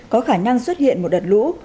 có khả năng xuất hiện một đợt lũ